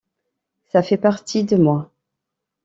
Ça fait partie de moi.